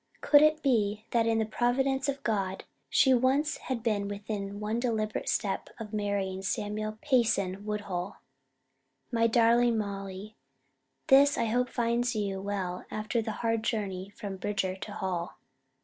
Could it be that in the providence of God she once had been within one deliberate step of marrying Samuel Payson Woodhull? MY DARLING MOLLY: This I hope finds you well after the hard journey from Bridger to Hall.